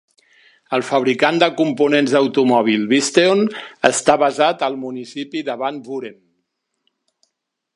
El fabricant de components d'automòbil, Visteon, està basat al municipi de Van Buren.